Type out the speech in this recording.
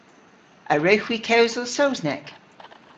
A wrewgh hwi kewsel Sowsnek?